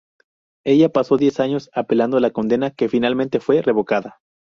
Ella pasó diez años apelando la condena que finalmente fue revocada.